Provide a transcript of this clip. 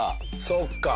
そっか！